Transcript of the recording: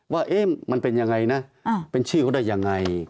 ว่ามันเป็นยังไงนะเป็นชื่อเขาได้ยังไง